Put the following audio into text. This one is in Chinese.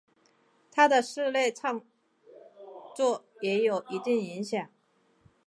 他的室内乐创作也有一定影响。